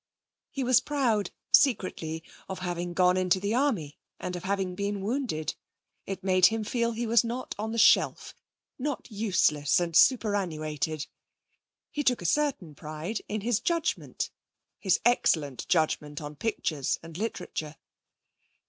He was proud, secretly, of having gone into the army and of having been wounded. It made him feel he was not on the shelf, not useless and superannuated. He took a certain pride also in his judgement, his excellent judgement on pictures and literature.